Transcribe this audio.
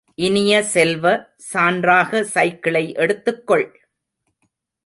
இனிய செல்வ, சான்றாக சைக்கிளை எடுத்துகொள்?